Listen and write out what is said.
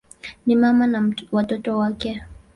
Ni mama na watoto wake.